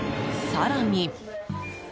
更に。